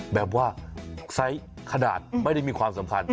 แบบว่าไซส์ขนาดไม่ได้มีความสัมพันธ์